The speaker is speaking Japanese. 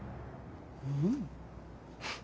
うん。